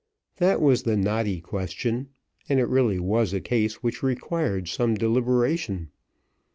That was the knotty question, and it really was a case which required some deliberation.